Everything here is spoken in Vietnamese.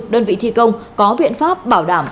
đơn vị thi công có biện pháp bảo đảm